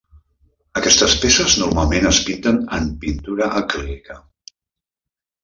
Aquestes peces normalment es pinten en pintura acrílica.